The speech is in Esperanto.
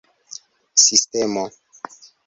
sistemo